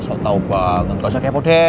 so tau banget